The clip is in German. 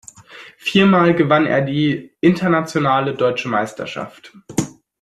Viermal gewann er die Internationale Deutsche Meisterschaft.